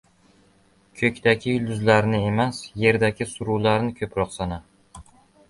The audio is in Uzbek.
• Ko‘kdagi yulduzlarni emas, yerdagi suruvlarni ko‘proq sana.